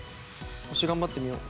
星頑張ってみよう。